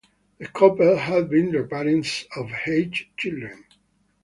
The couple had been the parents of eight children.